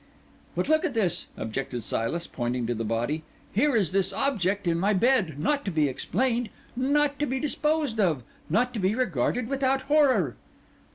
"But look at this!" objected Silas, pointing to the body. "Here is this object in my bed; not to be explained, not to be disposed of, not to be regarded without horror."